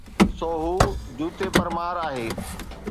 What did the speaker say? سو هو جوتي پرمار آهي.